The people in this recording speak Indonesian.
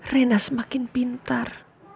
rena semakin pintar